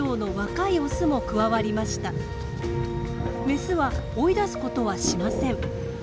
メスは追い出すことはしません。